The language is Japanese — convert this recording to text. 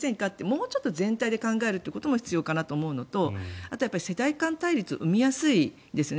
もうちょっと全体で考えることも必要かなと思うのとあと世代間対立を生みやすいですよね。